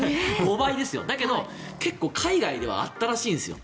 だけど結構海外ではあったらしいんですよ。